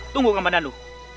tunggu kembalian lu